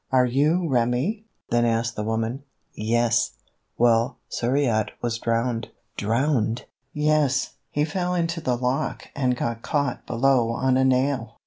"Are you Remi?" then asked the woman. "Yes." "Well, Suriot was drowned...." "Drowned!" "Yes, he fell into the lock and got caught below on a nail.